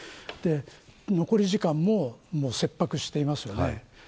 残り時間も切迫していますよね。